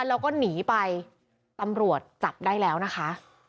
แล้วก็หนีไปตำรวจจับได้แล้วนะคะ